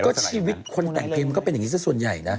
ก็ชีวิตคนแต่งเพลงมันก็เป็นอย่างนี้สักส่วนใหญ่นะ